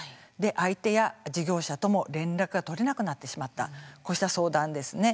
相手や事業者とも連絡が取れなくなってしまったこうした相談ですね。